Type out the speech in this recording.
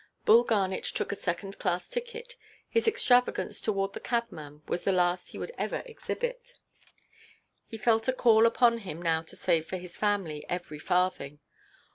Bull Garnet took a second–class ticket. His extravagance towards the cabman was the last he would ever exhibit. He felt a call upon him now to save for his family every farthing.